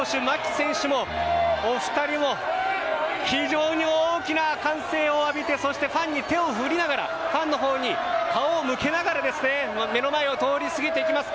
お二人非常に大きな歓声を浴びてそしてファンに手を振りながらファンのほうに顔を向けながら目の前を通り過ぎていきます。